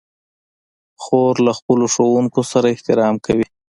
خور له خپلو ښوونکو سره احترام کوي.